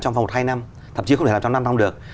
trong vòng hai năm thậm chí không thể làm trong năm năm được